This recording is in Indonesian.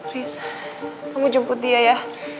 bisa kamu jemput dia ya